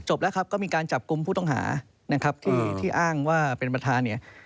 จบแล้วก็มีการจับกุมผู้ต้องหาที่อ้างว่าเป็นบรรทานเนี้ย